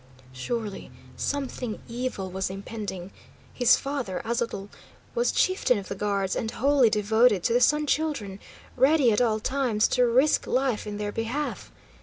Surely something evil was impending! His father, Aztotl, was chieftain of the guards, and wholly devoted to the Sun Children, ready at all times to risk life in their behalf.